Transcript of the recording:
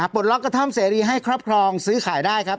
ปลดล็อกกระท่อมเสรีให้ครอบครองซื้อขายได้ครับ